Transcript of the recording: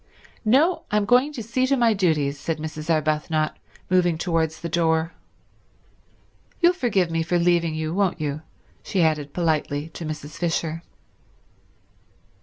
"No, I'm going to see to my duties," said Mrs. Arbuthnot, moving towards the door. "You'll forgive me for leaving you, won't you," she added politely to Mrs. Fisher.